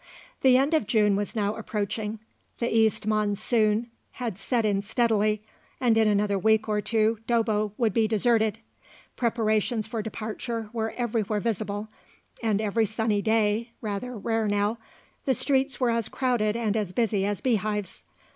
The end of June was now approaching, the east monsoon had set in steadily, and in another week or two Dobbo would be deserted. Preparations for departure were everywhere visible, and every sunny day (rather rare now) the streets were as crowded and as busy as beehives.